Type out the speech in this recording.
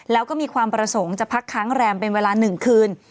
แล้วก็มีความประสงค์จะพักค้างแรมเป็นเวลา๑คืน